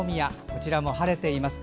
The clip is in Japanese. こちらも晴れています。